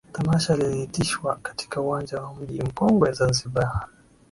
Tamasha liliitishwa katika uwanja wa Mji Mkongwe Zanzibar